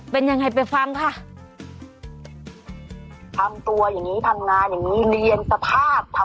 เป็นยังไงไปฟังค่ะ